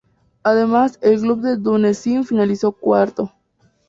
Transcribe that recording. Además, el club de Dunedin finalizó cuarto.